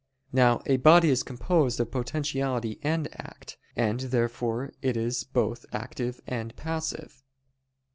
Now a body is composed of potentiality and act; and therefore it is both active and passive.